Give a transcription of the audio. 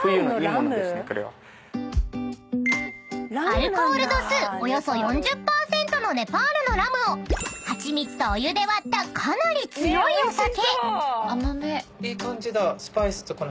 ［アルコール度数およそ４０％のネパールのラムをハチミツとお湯で割ったかなり強いお酒］